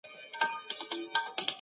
تاریخ تکراریږي.